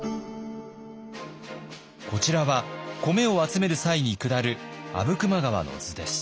こちらは米を集める際に下る阿武隈川の図です。